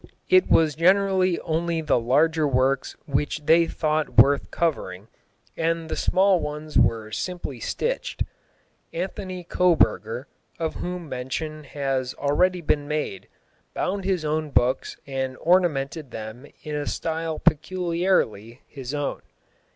It was generally only the larger works which they thought worth covering, and the small ones were simply stitched. Antony Koburger, of whom mention has already been made, bound his own books and ornamented them in a style peculiarly his own.